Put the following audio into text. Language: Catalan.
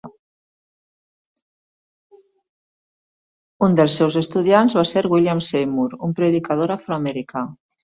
Un dels seus estudiants va ser William Seymour, un predicador afroamericà.